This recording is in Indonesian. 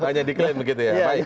hanya di claim begitu ya